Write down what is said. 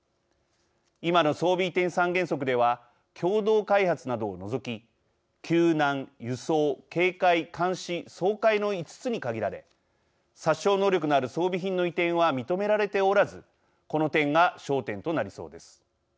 今の装備移転三原則では共同開発などを除き救難、輸送、警戒、監視、掃海の５つに限られ殺傷能力のある装備品の移転は認められておらずこの点が焦点となりそうです。